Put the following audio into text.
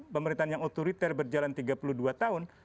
pemerintahan yang otoriter berjalan tiga puluh dua tahun